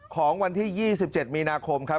ของวันที่๒๗มีนาคมครับ